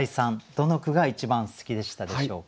どの句が一番好きでしたでしょうか？